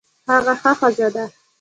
هغه ښه ښځه ده